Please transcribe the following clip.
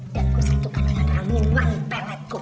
dan kusatukan dengan raminan peletku